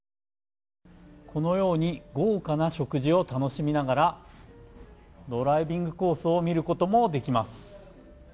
このように豪華な食事を楽しみながらドライビングコースを見ることもできます。